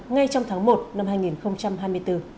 ngay trong tháng một năm hai nghìn hai mươi bốn